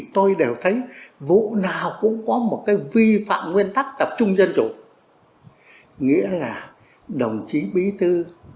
tập trung dân chủ